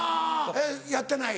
えっやってない？